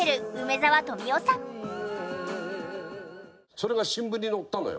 それが新聞に載ったのよ。